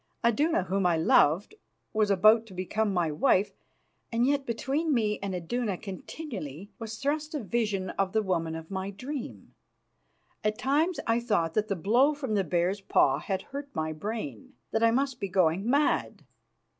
Iduna, whom I loved, was about to become my wife, and yet between me and Iduna continually was thrust a vision of the woman of my dream. At times I thought that the blow from the bear's paw had hurt my brain; that I must be going mad.